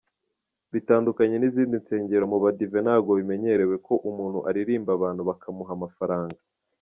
Bitandukanye n’izindi nsengero, mu badive ntabwo bimenyerewe ko umuntu aririmba abantu bakamuha amafaranga.